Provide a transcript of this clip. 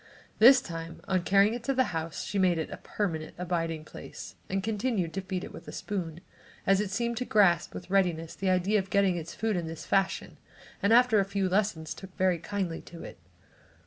This time, on carrying it to the house she made it a permanent abiding place and continued to feed it with a spoon, as it seemed to grasp with readiness the idea of getting its food in this fashion and after a few lessons, took very kindly to it.